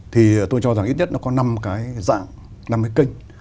thì tôi cho rằng ít nhất nó có năm cái dạng năm cái kênh